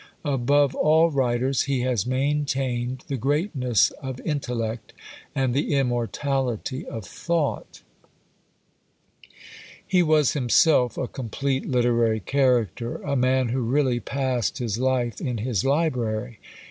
Above all writers, he has maintained the greatness of intellect, and the immortality of thought. He was himself a complete literary character, a man who really passed his life in his library.